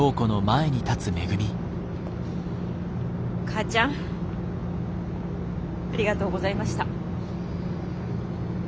母ちゃんありがとうございました。